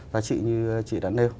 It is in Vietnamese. giá trị như chị đã nêu